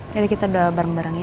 jadi kita doa bareng bareng ya